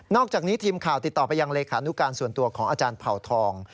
อกจากนี้ทีมข่าวติดต่อไปยังเลขานุการส่วนตัวของอาจารย์เผ่าทอง